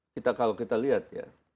kalau kita lihat ya